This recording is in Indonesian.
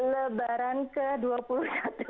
lebaran ke dua puluh satu